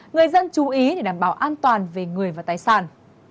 người dân chú ý để đảm bảo an toàn về người và tài sản